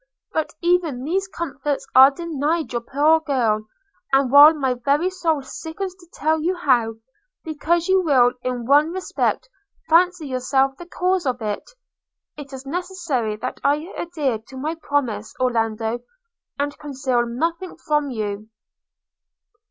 But even these comforts are denied your poor girl! and while my very soul sickens to tell you how, because you will in one respect fancy yourself the cause of it, it is necessary that I adhere to my promise, Orlando, and conceal nothing from you.